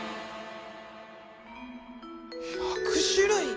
１００種類。